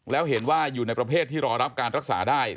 แล้วเห็นว่าอยู่ในประเภทที่รอรับการรักษาได้